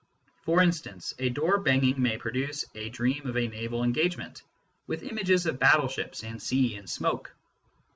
For instance, a door banging may produce a dream of a naval engagement, with images of battleships and sea and smoke.